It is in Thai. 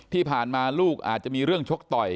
ที่ผ่านมาลูกอาจจะมีเรื่องชกต่อย